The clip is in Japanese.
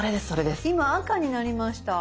今赤になりました。